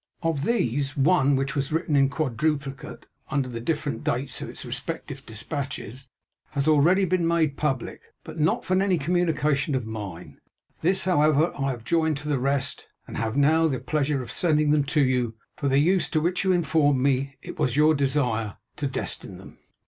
Of these, one, which was written in quadruplicate, under the different dates of its respective dispatches, has already been made publick, but not from any communication of mine. This, however, I have joined to the rest; and have now the pleasure of sending them to you for the use to which you informed me it was your desire to destine them.